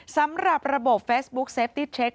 สำหรับระบบเฟซบุ๊คเซฟตี้เทค